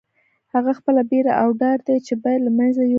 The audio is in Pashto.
هغه خپله بېره او ډار دی چې باید له منځه یوړل شي.